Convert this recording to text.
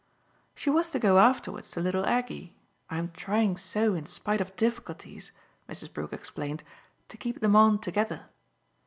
"She was to go afterwards to little Aggie: I'm trying so, in spite of difficulties," Mrs. Brook explained, "to keep them on together."